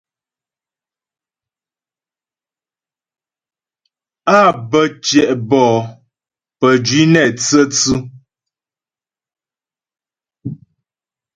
Á bə́ tyɛ' bɔ'ó pə́jwǐ nɛ tsə̌tsʉ.